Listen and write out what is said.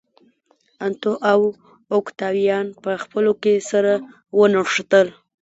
انتو او اوکتاویان په خپلو کې سره ونښتل.